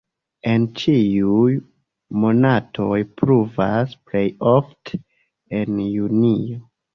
En ĉiuj monatoj pluvas, plej ofte en junio.